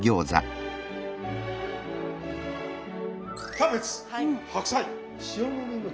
キャベツ白菜。